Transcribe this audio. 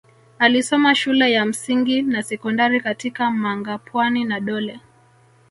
Alisoma shule ya msingi na sekondari katika Mangapwani na Dole